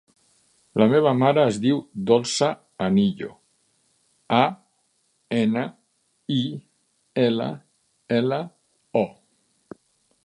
La meva mare es diu Dolça Anillo: a, ena, i, ela, ela, o.